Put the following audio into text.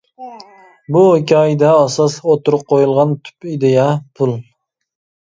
بۇ ھېكايىدە ئاساسلىق ئوتتۇرىغا قويۇلغان تۈپ ئىدىيە «پۇل» .